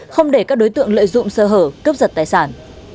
không để các đối tượng lợi dụng sơ hở cướp giật tài sản